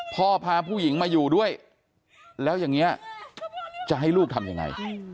พาผู้หญิงมาอยู่ด้วยแล้วอย่างนี้จะให้ลูกทำยังไง